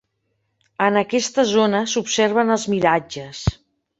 En aquesta zona s'observen els miratges.